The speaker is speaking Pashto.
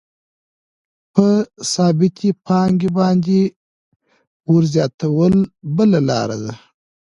په ثابتې پانګې باندې ورزیاتول بله لاره ده